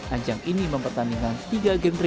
ajang ini mempertandingkan tiga genre